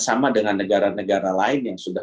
sama dengan negara negara lain yang sudah